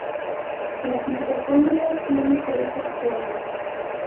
Las mitocondrias tienen crestas planas.